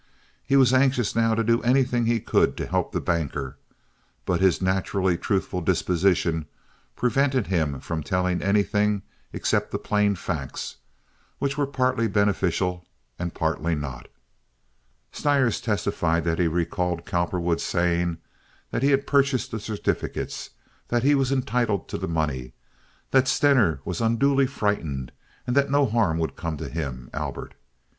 He was anxious now to do anything he could to help the banker, but his naturally truthful disposition prevented him from telling anything except the plain facts, which were partly beneficial and partly not. Stires testified that he recalled Cowperwood's saying that he had purchased the certificates, that he was entitled to the money, that Stener was unduly frightened, and that no harm would come to him, Albert.